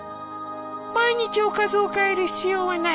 毎日おかずを変える必要はない。